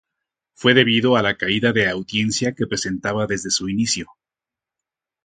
Fue debido a la caída de audiencia que presentaba desde su inicio.